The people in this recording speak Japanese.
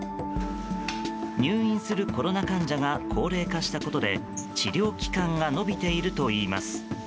入院するコロナ患者が高齢化したことで治療期間が延びているといいます。